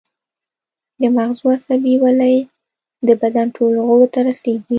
د مغزو عصبي ولۍ د بدن ټولو غړو ته رسیږي